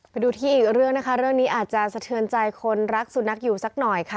ไปดูที่อีกเรื่องนะคะเรื่องนี้อาจจะสะเทือนใจคนรักสุนัขอยู่สักหน่อยค่ะ